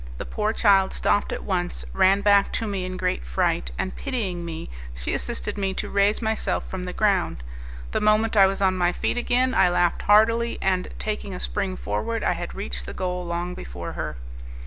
The poor child stopped at once, ran back to me in great fright, and, pitying me, she assisted me to raise myself from the ground. The moment I was on my feet again, I laughed heartily and, taking a spring forward, I had reached the goal long before her.